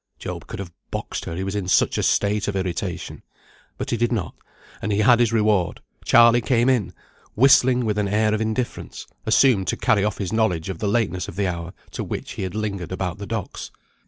Job could have boxed her, he was in such a state of irritation. But he did not, and he had his reward. Charley came in, whistling with an air of indifference, assumed to carry off his knowledge of the lateness of the hour to which he had lingered about the docks.